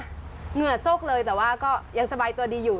เหงื่อโซกเลยแต่ว่าก็ยังสบายตัวดีอยู่